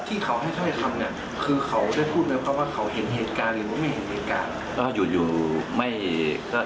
เป็นพยานในทางคดีครับผมก็ให้ความพ่อมือดีครับ